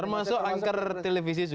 termasuk anchor televisi juga